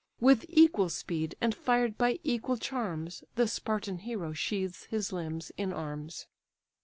With equal speed and fired by equal charms, The Spartan hero sheathes his limbs in arms.